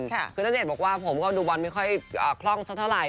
คุณเดชน์บอกว่าผมดูบอลไม่ค่อยคล่องซะเท่าไหร่